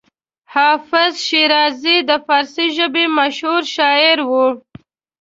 حافظ شیرازي د فارسي ژبې مشهور شاعر و.